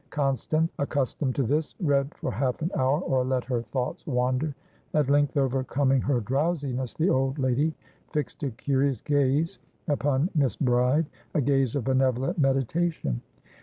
Constance, accustomed to this, read for half an hour, or let her thoughts wander. At length overcoming her drowsiness, the old lady fixed a curious gaze upon Miss Bride, a gaze of benevolent meditation.